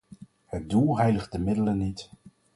Het doel heiligt de middelen niet.